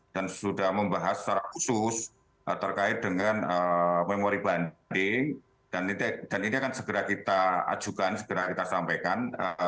dan sudah membahas secara khusus terkait dengan memori banding dan ini akan segera kita ajukan segera kita sampaikan